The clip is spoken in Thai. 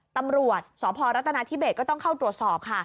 ตำรวจสพรัฐนาธิเบสก็ต้องเข้าตรวจสอบค่ะ